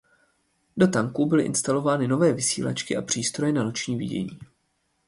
Do tanků byly instalovány nové vysílačky a přístroje na noční vidění.